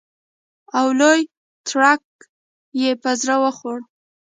او لوی تړک یې په زړه وخوړ.